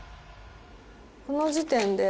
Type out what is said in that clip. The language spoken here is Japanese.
この時点で。